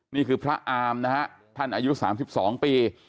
นี่คือพระอามนะฮะท่านอายุสามสิบสองปี